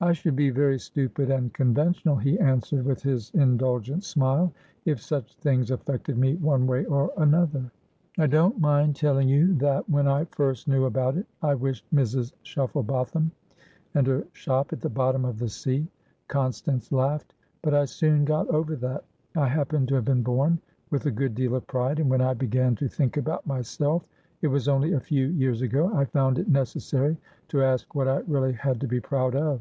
"I should be very stupid and conventional," he answered, with his indulgent smile, "if such things affected me one way or another." "I don't mind telling you that, when I first knew about it, I wished Mrs. Shufflebotham and her shop at the bottom of the sea." Constance laughed. "But I soon got over that. I happen to have been born with a good deal of pride, and, when I began to think about myselfit was only a few years agoI found it necessary to ask what I really had to be proud of.